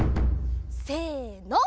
せの。